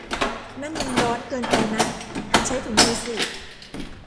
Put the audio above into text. นั่นมันร้อนเกินไปนะ ! ใช้ถุงมือสิ !